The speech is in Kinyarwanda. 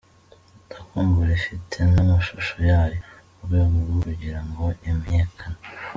Ndakumbura ifite namashusho yayo, mu rwego rwo kugira ngo imenyekane.